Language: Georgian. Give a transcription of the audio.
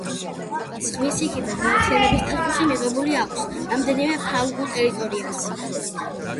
ზღვისიქითა გაერთიანების სტატუსი მიღებული აქვს, რამდენიმე ფრანგულ ტერიტორიას.